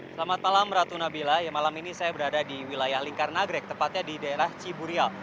selamat malam ratu nabila malam ini saya berada di wilayah lingkar nagrek tepatnya di daerah ciburial